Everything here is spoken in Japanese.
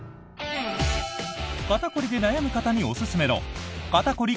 肩凝りで悩む方におすすめの肩こり